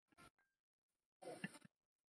加泽伊河畔勒莫纳斯捷人口变化图示